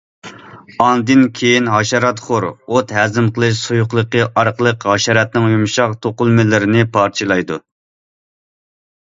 ئاندىن كېيىن ھاشاراتخور ئوت ھەزىم قىلىش سۇيۇقلۇقى ئارقىلىق ھاشاراتنىڭ يۇمشاق توقۇلمىلىرىنى پارچىلايدۇ.